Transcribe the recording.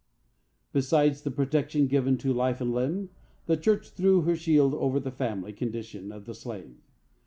Besides the protection given to life and limb, the church threw her shield over the family condition of the slave.